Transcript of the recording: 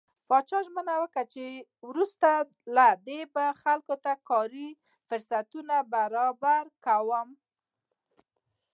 پاچا ژمنه وکړه چې وروسته له دې به خلکو ته کاري فرصتونه برابر کوم .